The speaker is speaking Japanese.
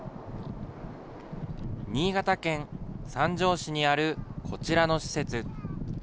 新潟県三条市にあるこちらの施設。